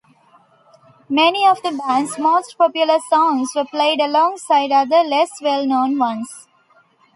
Many of the band's most popular songs were played alongside other less well-known ones.